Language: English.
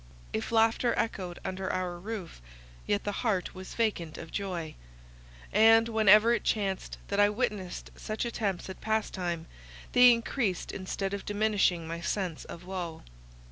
If laughter echoed under our roof, yet the heart was vacant of joy; and, when ever it chanced that I witnessed such attempts at pastime, they encreased instead of diminishing my sense of woe.